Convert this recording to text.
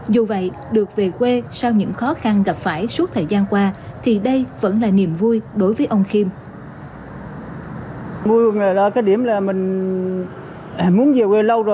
dù vậy được về quê sau những khó khăn gặp phải suốt thời gian qua